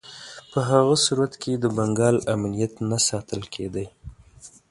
په هغه صورت کې د بنګال امنیت نه ساتل کېدی.